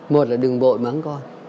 một là đừng bội mắng con